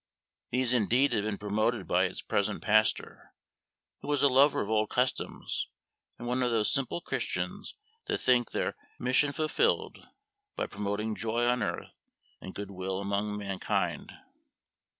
These, indeed, had been promoted by its present pastor, who was a lover of old customs and one of those simple Christians that think their mission fulfilled by promoting joy on earth and good will among mankind.